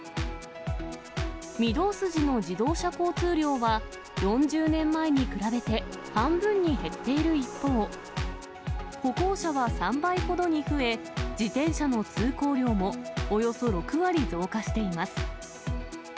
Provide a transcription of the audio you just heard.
御堂筋の自動車交通量は、４０年前に比べて半分に減っている一方、歩行者は３倍ほどに増え、自転車の通行量もおよそ６割増加しています。